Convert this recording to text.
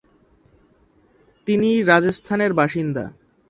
তিনি রাজস্থানের বাসিন্দা।